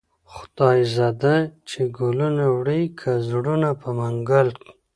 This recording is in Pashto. خداى زده چې گلونه وړې كه زړونه په منگل